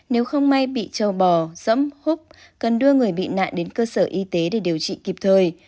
nếu không may bị châu bò dẫm hút cần đưa người bị nạn đến cơ sở y tế để điều trị kịp thời